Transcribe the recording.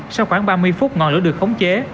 sau khoảng ba mươi phút ngọn lửa được khống chế